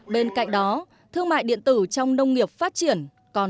bên cạnh đó thương mại điện tử trong nông nghiệp còn nhiều bất cập do hiểu biết do đạo đức kinh doanh